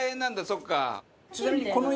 そっか。